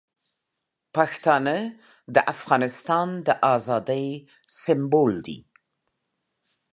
پښتانه د افغانستان د ازادۍ سمبول دي.